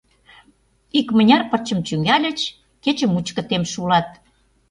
Икмыняр пырчым чӱҥгальыч — кече мучко темше улат.